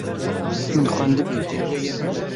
Min xwendibû.